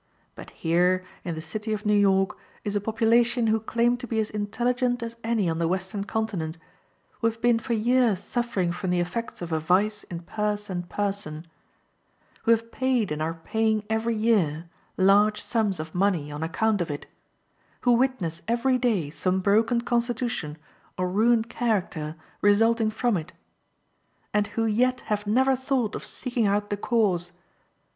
But here, in the city of New York, is a population who claim to be as intelligent as any on the Western continent, who have been for years suffering from the effects of a vice in purse and person; who have paid and are paying every year large sums of money on account of it; who witness every day some broken constitution or ruined character resulting from it, and who yet have never thought of seeking out the cause!